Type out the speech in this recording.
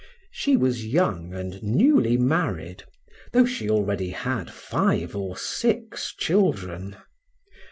She was young and newly married, though she already had five or six children.